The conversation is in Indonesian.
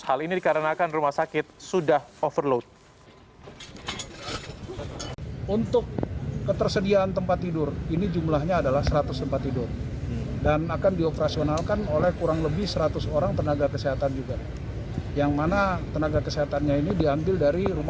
hal ini dikarenakan rumah sakit sudah overload